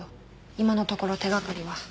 今のところ手掛かりは。